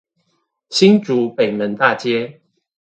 新竹北門大街